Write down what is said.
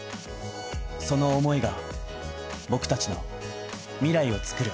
その思いが僕達の未来をつくる